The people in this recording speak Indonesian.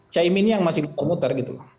caimin ini yang masih muter muter gitu